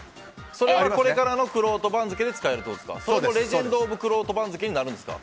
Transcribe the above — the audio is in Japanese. それはこれからのくろうと番付で使えるということですか。